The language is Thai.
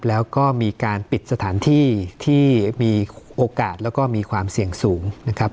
แล้วก็มีการปิดสถานที่ที่มีโอกาสแล้วก็มีความเสี่ยงสูงนะครับ